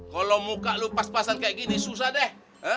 kalo muka lu pas pasan kaya gini susah deh